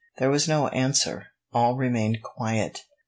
There was no answer. All remained quiet.